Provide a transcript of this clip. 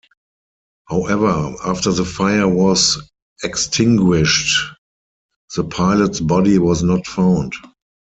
However, after the fire was extinguished, the pilot's body was not found.